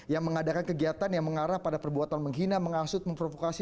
yang mengadakan kegiatan yang mengarah pada perbuatan menghina mengasut memprovokasi